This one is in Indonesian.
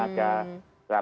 lade landenya pencet naga